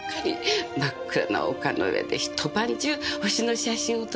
真っ暗な丘の上で一晩中星の写真を撮るの。